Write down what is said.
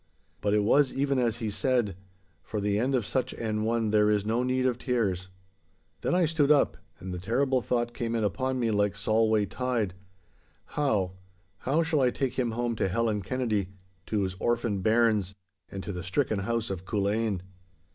But it was even as he said—for the end of such an one there is no need of tears. Then I stood up, and the terrible thought came in upon me like Solway tide. How—how shall I take him home to Helen Kennedy—to his orphaned bairns, and to the stricken house of Culzean?